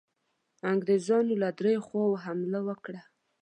انګرېزانو له دریو خواوو حمله وکړه.